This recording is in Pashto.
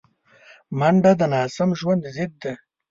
منډه د ناسم ژوند ضد ده